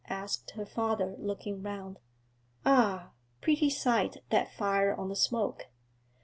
asked her father, looking round. 'Ah! pretty sight that fire on the smoke.